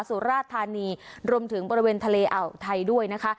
สุราธานีรวมถึงบริเวณทะเลอ่าวไทยด้วยนะคะ